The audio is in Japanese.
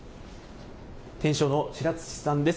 店長の白土さんです。